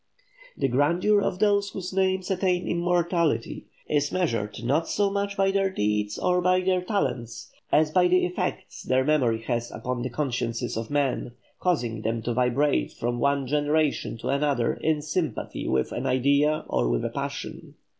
The grandeur of those whose names attain immortality is measured not so much by their deeds or by their talents as by the effect their memory has upon the consciences of men, causing them to vibrate from one generation to another in sympathy with an idea or with a passion.